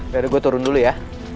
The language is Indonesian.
biar gue turun dulu ya